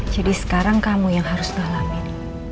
jadi sekarang kamu yang harus ngalamin